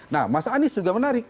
nah mas anies juga menarik